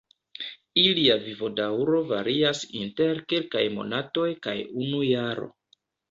Ilia vivodaŭro varias inter kelkaj monatoj kaj unu jaro.